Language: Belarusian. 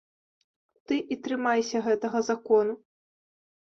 Ты і трымайся гэтага закону.